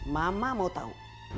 mama mau tahu